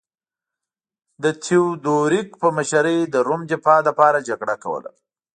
د تیودوریک په مشرۍ د روم دفاع لپاره جګړه کوله